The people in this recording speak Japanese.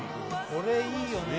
これいいよね